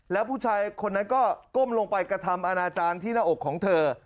แล้วผู้ชายคนนั้นก็ก้มลงไปกระทำอาณาจารย์ที่หน้าอกของเธอ